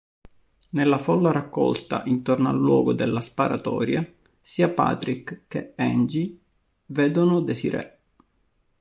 Nella folla raccolta intorno al luogo della sparatoria, sia Patrick che Angie vedono Desiree.